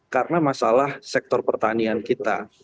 karena masalah sektor pertanian kita